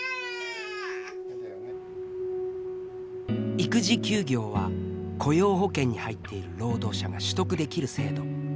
育児休業は雇用保険に入っている労働者が取得できる制度。